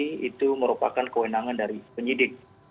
jadi itu merupakan kewenangan dari penyidik